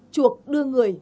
chuộc đưa người